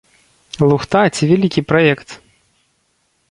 Лухта ці вялікі праект?